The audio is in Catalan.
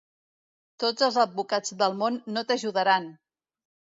Tots els advocats del món no t'ajudaran!